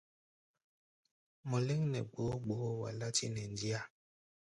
Mɔ léŋ nɛ gboó gboó, wa látí nɛ ndíá.